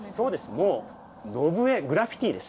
もう「のぶえグラフィティ」です。